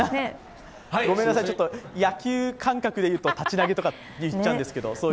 ごめんなさい、ちょっと野球感覚でいうと立ち投げとか言っちゃうんですけど。